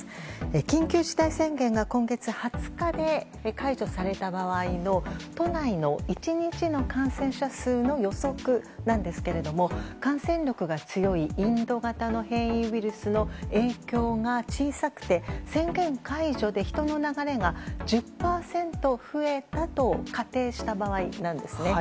緊急事態宣言が今月２０日で解除された場合の都内の１日の感染者数の予測なんですけども感染力が強いインド型の変異ウイルスの影響が小さくて宣言解除で人の流れが１０％増えたと仮定した場合なんですね。